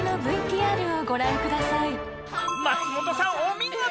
松本さんお見事！